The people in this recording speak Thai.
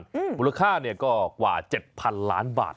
ก็หมุนค่ากว่ากว่า๗๐๐๐ล้านบาท